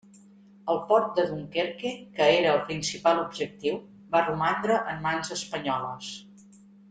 El port de Dunkerque, que era el principal objectiu va romandre en mans espanyoles.